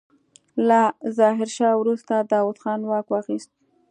له ظاهرشاه وروسته داوود خان واک واخيست.